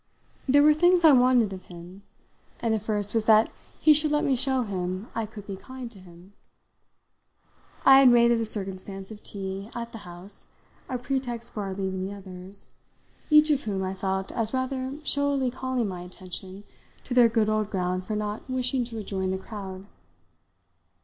There were things I wanted of him, and the first was that he should let me show him I could be kind to him. I had made of the circumstance of tea at the house a pretext for our leaving the others, each of whom I felt as rather showily calling my attention to their good old ground for not wishing to rejoin the crowd.